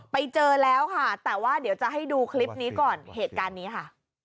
ไปเจอแล้วค่ะแต่ว่าเดี๋ยวจะให้ดูคลิปนี้ก่อนเหตุการณ์นี้ค่ะ